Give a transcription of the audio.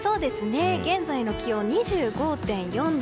現在の気温２５．４度。